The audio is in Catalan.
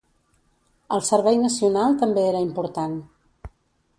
El servei nacional també era important.